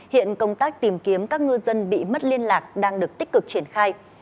hiện công tác tìm kiếm các ngư dân bị mất liên lạc đang được tích cực triển khai